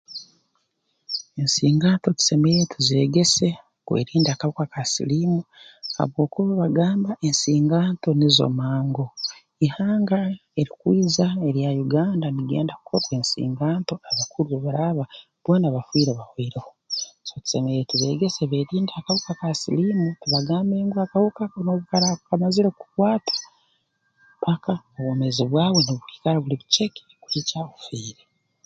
Ensinganto tusemeriire tuzeegese kwerinda akahuka ka siliimu habwokuba bagamba ensinganto nizo mango ihanga erikwija erya Uganda nirigenda kukorwa ensinganto abakuru obu baraaba boona bafiire bahoireho so tusemeriire tubeegese beerinde akahuka ka silimu tubagambe ngu akahuka ako obu karaaba kamazire kukukwata paka obwomeezi bwawe bwine kwikara buli buceke kuhika ofiire